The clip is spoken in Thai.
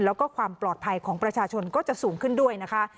แล้วก็ความปลอดภัยของประชาชนก็จะสูงขึ้นด้วยนะคะ